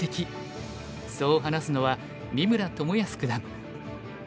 そう話すのは三村智保九段。